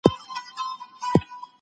زيار او هڅه بريا ته لاره پرانيزي.